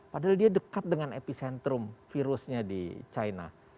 padahal dia dekat dengan epicentrum virusnya di china